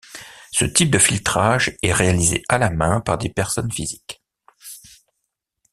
Ce type de filtrage est réalisé à la main par des personnes physiques.